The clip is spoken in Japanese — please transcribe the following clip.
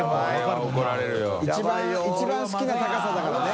貳好きな高さだからね